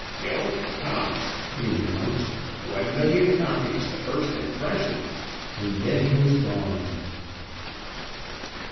"Gilt. tops," he announced. "One million copies the first impression!" And then he was gone.